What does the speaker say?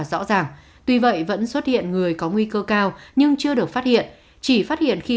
rõ ràng tuy vậy vẫn xuất hiện người có nguy cơ cao nhưng chưa được phát hiện chỉ phát hiện khi